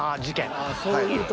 ああそういう時。